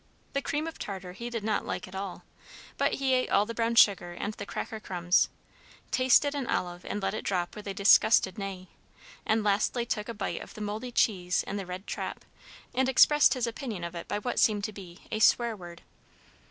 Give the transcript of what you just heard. The cream of tartar he did not like at all; but he ate all the brown sugar and the cracker crumbs, tasted an olive and let it drop with a disgusted neigh, and lastly took a bite of the mouldy cheese in the red trap, and expressed his opinion of it by what seemed to be a "swear word."